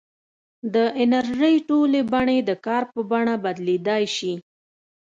د انرژۍ ټولې بڼې د کار په بڼه بدلېدای شي.